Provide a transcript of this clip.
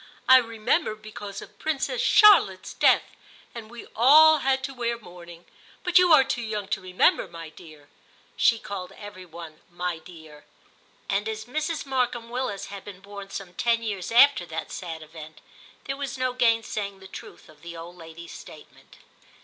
I remember because of Princess Charlotte's death, and we all had to wear mourning ; but you are too young to remember, my dear' (she called every one *my dear'). And as Mrs. Markham Willis had been born some ten years after that sad event, there was no gainsaying the truth of the old lady's statement.